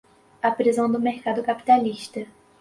a prisão do mercado capitalista